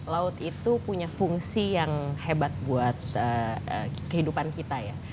laut itu punya fungsi yang hebat buat kehidupan kita ya